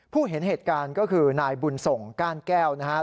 เห็นเหตุการณ์ก็คือนายบุญส่งก้านแก้วนะครับ